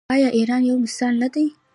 آیا ایران یو مثال نه دی؟